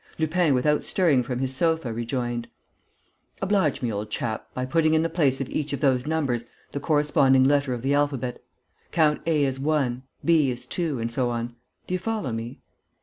Lupin, without stirring from his sofa, rejoined: "Oblige me, old chap, by putting in the place of each of those numbers the corresponding letter of the alphabet. Count A as 1, B as 2 and so on. Do you follow me?"